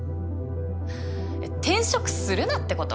えっ転職するなってこと？